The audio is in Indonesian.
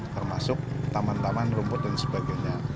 termasuk taman taman rumput dan sebagainya